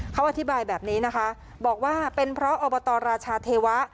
เขาอธิบายแบบนี้นะคะบอกว่าเป็นเพราะอบตราชาเทวะ